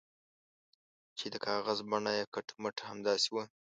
چې د کاغذ بڼه یې کټ مټ همداسې وه.